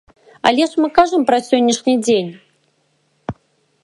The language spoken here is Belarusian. Але мы ж кажам пра сённяшні дзень.